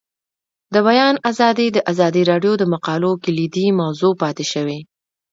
د بیان آزادي د ازادي راډیو د مقالو کلیدي موضوع پاتې شوی.